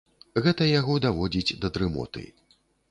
Гэта яго даводзіць да дрымоты.